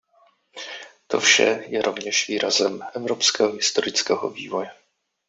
To vše je rovněž výrazem evropského historického vývoje.